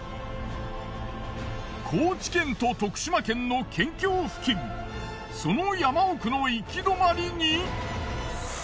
高知県と徳島県の県境付近その山奥の行き止まりに。